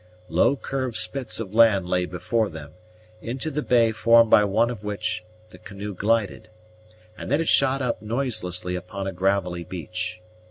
Low curved spits of land lay before them, into the bay formed by one of which the canoe glided, and then it shot up noiselessly upon a gravelly beach.